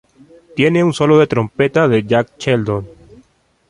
Tiene un solo de trompeta de Jack Sheldon.